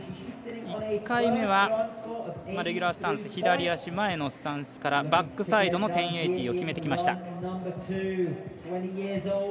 １回目はレギュラースタンス、左足前のスタンスからバックサイドの１０８０を決めてきました。